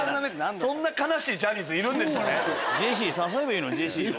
そんな悲しいジャニーズいるんですね。